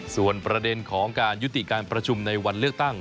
ส่วนประเด็นของการยุติการประชุมในวันเลือกตั้ง